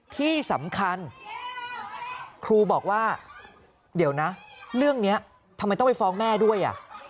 ที่สำคัญครูบอกว่าเดี๋ยวนะเรื่องนี้ทำไมต้องไปฟ้องแม่ด้วย